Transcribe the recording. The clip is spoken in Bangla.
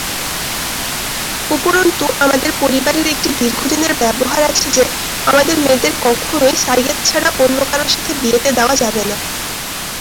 উপরন্তু, আমার পরিবারে একটি দীর্ঘদিনের ব্যবহার আছে যে আমাদের মেয়েদের কখনোই সাইয়্যেদ ছাড়া অন্য কারো সাথে বিয়েতে দেওয়া যাবে না।